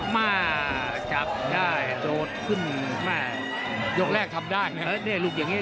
มาจับได้โดดขึ้นแม่ยกแรกทำได้ไงแล้วเนี่ยลูกอย่างนี้